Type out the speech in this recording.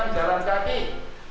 kesehatan dalam kaki